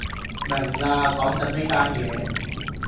明喇，講緊呢單嘢